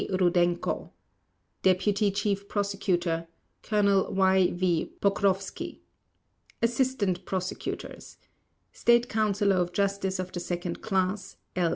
Rudenko DEPUTY CHIEF PROSECUTOR: Colonel Y. V. Pokrovsky ASSISTANT PROSECUTORS: State Counsellor of Justice of the 2nd Class, L.